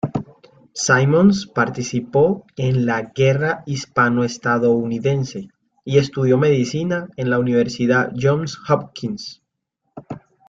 Simmons participó en la Guerra Hispano-Estadounidense, y estudió medicina en la Universidad Johns Hopkins.